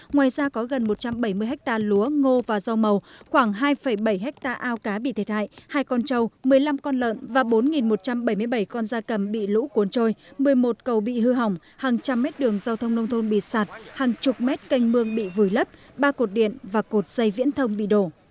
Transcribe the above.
ngoài ra có gần một trăm bảy mươi ha lúa ngô và rau màu khoảng hai bảy ha ao cá bị thiệt hại hai con trâu một mươi năm con lợn và bốn một trăm bảy mươi bảy con da cầm bị lũ cuốn trôi một mươi một cầu bị hư hỏng hàng trăm mét đường giao thông nông thôn bị sạt hàng chục mét canh mương bị vùi lấp ba cột điện và cột dây viễn thông bị đổ